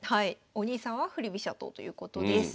お兄さんは振り飛車党ということです。